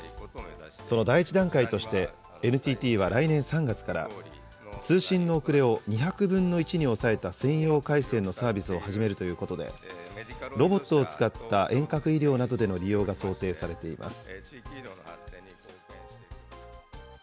その第一段階として、ＮＴＴは来年３月から、通信の遅れを２００分の１に抑えた専用回線のサービスを始めるということで、ロボットを使った遠隔医療などへの利用が想定されています。